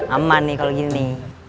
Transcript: aman nih kalau kini